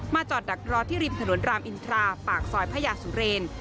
จอดดักรอที่ริมถนนรามอินทราปากซอยพญาสุเรน